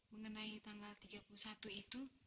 mengenai tanggal tiga puluh satu itu